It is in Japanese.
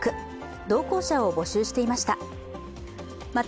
同行者を募集していました。